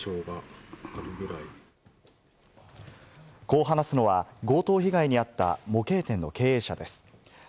こう話すのは、強盗被害に遭った模型店の経営者です。